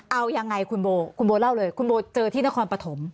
เอายังไงคุณโบคุณโบเล่าเลยคุณโบเจอที่นครปฐม